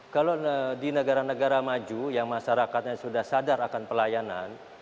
kalau di negara negara maju yang masyarakatnya sudah sadar akan pelayanan